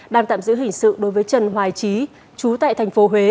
đang tạm giữ hình sự đối với trần hoài trí chú tại tp huế